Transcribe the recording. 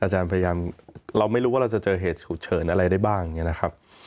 อาจารย์พยายามเราไม่รู้ว่าเราจะเจอเหตุฉุกเฉินอะไรได้บ้างอย่างนี้นะครับ